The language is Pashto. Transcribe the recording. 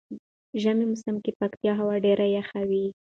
ژمی موسم کې پکتيا هوا ډیره یخه وی.